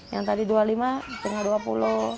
yang tadi dua puluh lima tinggal dua puluh